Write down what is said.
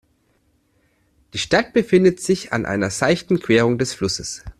Die Stadt befindet sich an einer seichten Querung des Flusses.